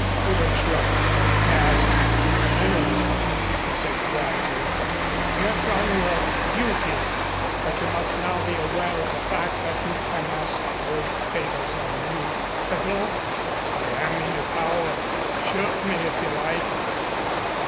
Udo shrugged. "Yes, I know," he said quietly. "You have done your duty but you must now be aware of the fact that you can ask no favors of me." "I don't. I am in your power. Shoot me if you like."